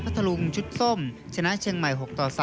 พระทะลุงชุดส้มชนะเชียงใหม่๖๓